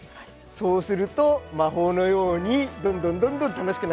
そうすると魔法のようにどんどんどんどん楽しくなっていきますから。